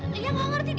lia gak ngerti deh